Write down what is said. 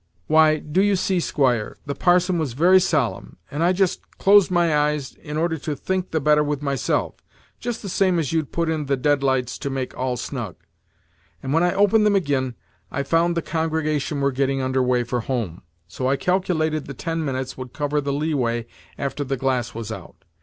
"Why, do you see, Squire, the parson was very solemn, and I just closed my eyes in order to think the better with myself, just the same as you'd put in the dead lights to make all snug, and when I opened them agin I found the congregation were getting under way for home, so I calculated the ten minutes would cover the leeway after the glass was out.